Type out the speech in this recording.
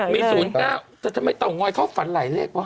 มี๐๙แต่ทำไมเตางอยเข้าฝันหลายเลขวะ